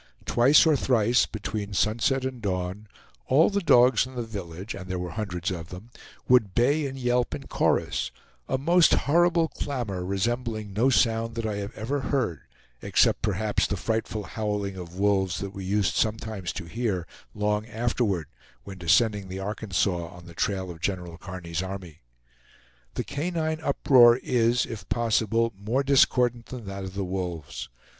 Twice or thrice, between sunset and dawn, all the dogs in the village, and there were hundreds of them, would bay and yelp in chorus; a most horrible clamor, resembling no sound that I have ever heard, except perhaps the frightful howling of wolves that we used sometimes to hear long afterward when descending the Arkansas on the trail of General Kearny's army. The canine uproar is, if possible, more discordant than that of the wolves.